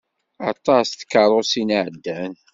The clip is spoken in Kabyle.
Aṭas n tkeṛṛusin i ɛeddan.